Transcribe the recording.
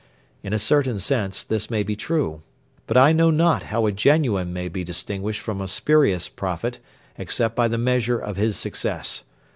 In a certain sense, this may be true. But I know not how a genuine may be distinguished from a spurious Prophet, except by the measure of his success.